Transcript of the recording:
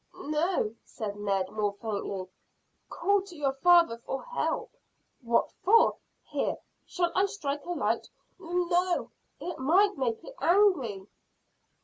"No," said Ned, more faintly. "Call to your father for help." "What for? Here, shall I strike a light?" "N no. It might make it angry."